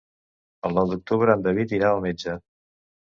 El nou d'octubre en David irà al metge.